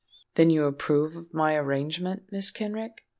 "Then you approve of my arrangement, Mrs. Kenrick?"